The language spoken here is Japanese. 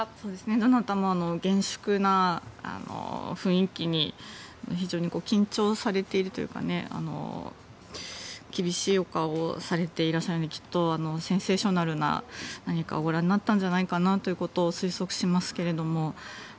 どなたも、厳粛な雰囲気に非常に緊張されているというか厳しいお顔をされていらっしゃるのできっとセンセーショナルな何かをご覧になったんじゃないかなと推測しますけれども。